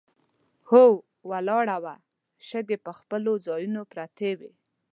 هوا ولاړه وه، شګې پر خپلو ځایونو پرتې وې.